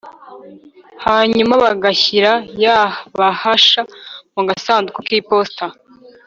hanyuma bagashyira ya bahasha mu gasanduku kiposita